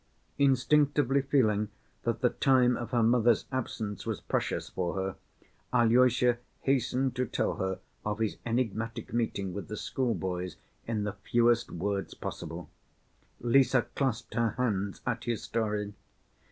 Instinctively feeling that the time of her mother's absence was precious for her, Alyosha hastened to tell her of his enigmatic meeting with the schoolboys in the fewest words possible. Lise clasped her hands at his story.